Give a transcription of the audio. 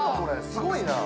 すごいな。